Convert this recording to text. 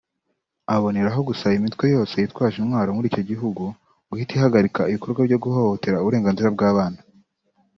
aboneraho gusaba imitwe yose yitwaje intwaro muri icyo gihugu guhita ihagarika ibikorwa byo guhohotera uburenganzira bw’abana